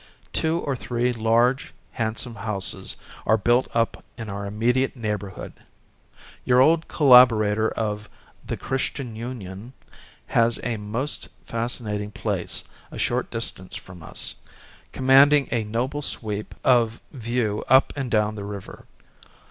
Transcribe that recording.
Two or three large, handsome houses are built up in our immediate neighbor hood. Your old collaborator of " The Christian Union " has a most fascinating place a short dis tance from us, commanding a noble sweep of Hosted by Google A FLOWERY JANUARY. 23 view up and down the river.